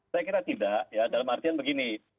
saya kira tidak ya dalam artian begini